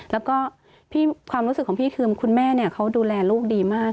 แล้วก็ความรู้สึกของพี่คือคุณแม่เขาดูแลลูกดีมาก